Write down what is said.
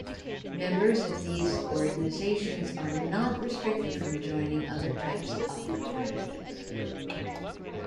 Members of these organizations are not restricted from joining other types of fraternities.